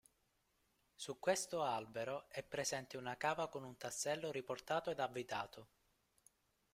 Su questo albero, è presente una cava con un tassello riportato ed avvitato.